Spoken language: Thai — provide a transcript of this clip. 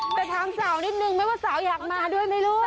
แต่ถามสาวนิดนึงไหมว่าสาวอยากมาด้วยไหมลูก